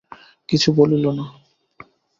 কিছু বলিল না।